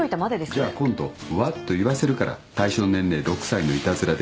じゃあ今度うわっと言わせるから対象年齢６歳のいたずらで。